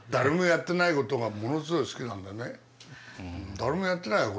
誰もやってないよ